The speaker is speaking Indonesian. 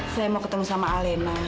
saya mau ketemu sama alena